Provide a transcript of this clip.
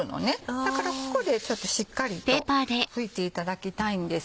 だからここでしっかりと拭いていただきたいんです。